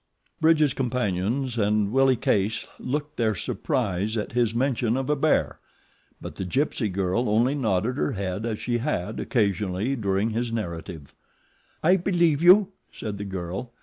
Bridge's companions and Willie Case looked their surprise at his mention of a bear; but the gypsy girl only nodded her head as she had occasionally during his narrative. "I believe you," said the girl.